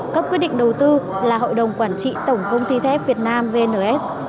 cấp quyết định đầu tư là hội đồng quản trị tổng công ty thép việt nam vns